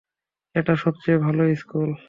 এটা সবচেয়ে ভালো স্কুল।